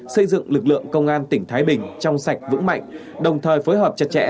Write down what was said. xây dựng lực lượng công an tỉnh thái bình trong sạch vững mạnh đồng thời phối hợp chặt chẽ